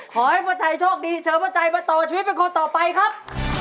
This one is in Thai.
ขอให้พ่อใจโชคดีเชิญพ่อใจมาต่อชีวิตเป็นคนต่อไปครับ